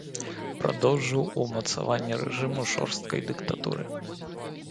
Прадоўжыў умацаванне рэжыму жорсткай дыктатуры.